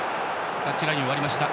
タッチラインを割りました。